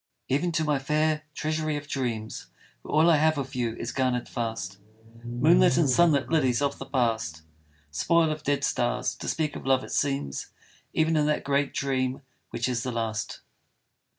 Even to my fair treasury of dreams, Where all I have of you is garnered fast, Moonlit and sunlit lilies of the past Spoil of dead stars, to speak of love it seems Even in that great dream which is the last.